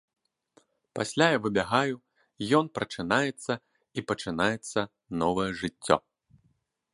Пасля я выбягаю, ён прачынаецца, і пачынаецца новае жыццё.